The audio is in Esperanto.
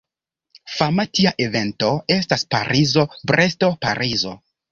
Fama tia evento estas Parizo-Bresto-Parizo.